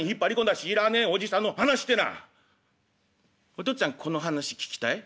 「お父っつぁんこの話聞きたい？」。